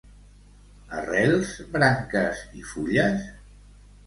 Arrels, branques i fulles?